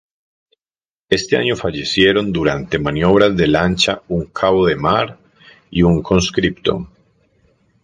Ese año fallecieron durante maniobras de lancha un cabo de mar y un conscripto.